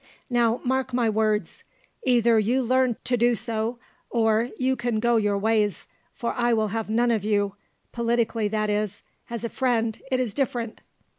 Now mark my words. Either you learn to do so, or you can go your ways, for I will have none of you, politically, that is, as a friend, it is different."